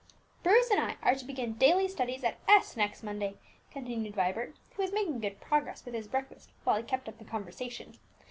"Bruce and I are to begin daily studies at S next Monday," continued Vibert, who was making good progress with his breakfast whilst he kept up the conversation.